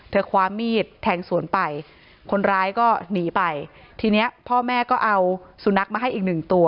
ความมีดแทงสวนไปคนร้ายก็หนีไปทีเนี้ยพ่อแม่ก็เอาสุนัขมาให้อีกหนึ่งตัว